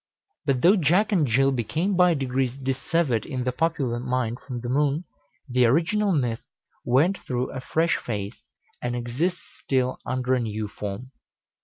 But though Jack and Jill became by degrees dissevered in the popular mind from the moon, the original myth went through a fresh phase, and exists still under a new form.